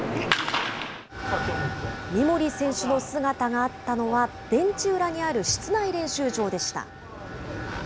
三森選手の姿があったのは、ベンチ裏にある室内練習場でした。